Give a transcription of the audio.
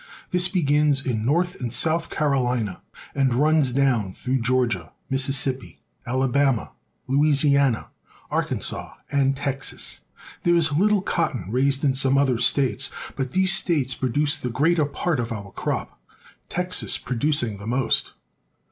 This begins in North and South CaroHna and runs down through Georgia, Mississippi, Alabama, Louisiana, Arkansas, and Texas. There is a little cotton raised in some other states, but these states produce the greater part of our crop, Texas producing the most.